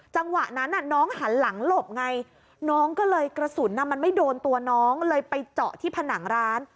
จังหวะนั้นน้องหันหลังหลบไงน้องก็เลยกระสุนมันไม่โดนตัวน้องเลยไปเจาะที่ผนังร้าน